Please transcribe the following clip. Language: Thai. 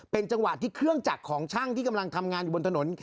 เป็นจังหวะที่เครื่องจักรของช่างที่กำลังทำงานอยู่บนถนน